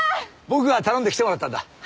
僕が頼んで来てもらったんだ。